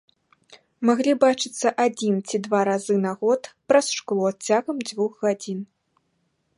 Маглі бачыцца адзін ці два разы на год праз шкло цягам дзвюх гадзін.